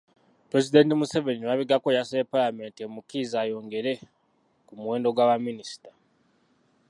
Pulezidenti Museveni emabegako yasabye Paalamenti emukkirize ayongere ku muwendo gwa baminisita.